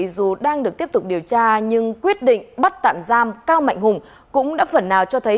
dù đang được tiếp tục điều tra nhưng quyết định bắt tạm giam cao mạnh hùng cũng đã phần nào cho thấy